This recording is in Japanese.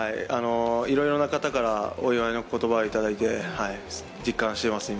いろいろな方からお祝いの言葉をいただいて、実感しています、今。